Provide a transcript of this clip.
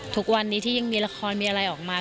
ทุกวันนี้ที่ยังมีละครมีอะไรออกมา